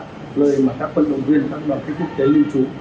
nơi mà các phân động viên các đoàn khách quốc tế lưu trú